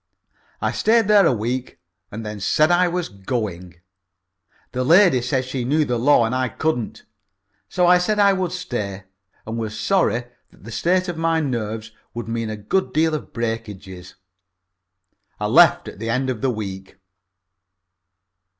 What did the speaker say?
I stayed there a week and then said I was going. The lady said she knew the law and I couldn't. So I said I would stay, and was sorry that the state of my nerves would mean a good deal in breakages. I left at the end of the week.